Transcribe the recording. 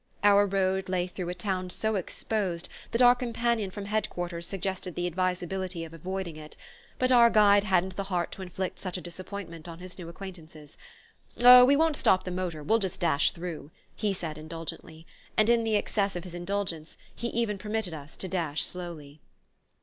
Our road lay through a town so exposed that our companion from Head quarters suggested the advisability of avoiding it; but our guide hadn't the heart to inflict such a disappointment on his new acquaintances. "Oh, we won't stop the motor we'll just dash through," he said indulgently; and in the excess of his indulgence he even permitted us to dash slowly.